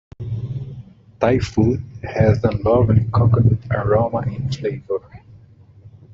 Thai food has a lovely coconut aroma and flavour.